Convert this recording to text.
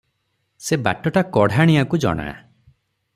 ସେ ବାଟଟା କଢାଣିଆକୁ ଜଣା ।